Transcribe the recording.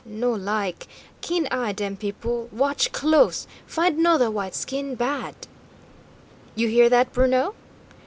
"No like. Keen eye, dem people. Watch close. Find 'nother white skin bad!" "You hear that, Bruno?"